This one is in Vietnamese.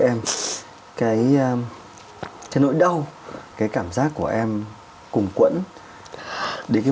em cái nỗi đau cái cảm giác của em cùng quẫn đến cái